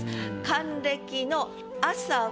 「還暦の朝を」